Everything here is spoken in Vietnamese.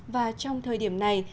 và trong thời điểm này